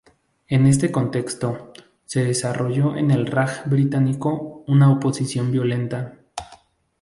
En este contexto, se desarrolló en el Raj británico una oposición violenta.